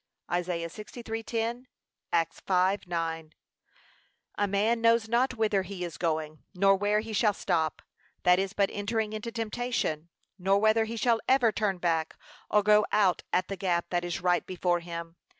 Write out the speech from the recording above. (Isa. 63:10; Acts 5:9) A man knows not whither he is going, nor where he shall stop, that is but entering into temptation; nor whether he shall ever turn back, or go out at the gap that is right before him.